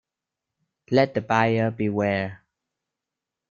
Let the buyer beware.